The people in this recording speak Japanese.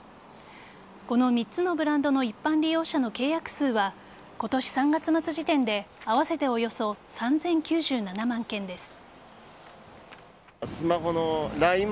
この３つのブランドの一般利用者の契約数は今年３月末時点で合わせておよそ３０９７万件です。